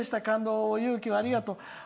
感動や勇気をありがとう。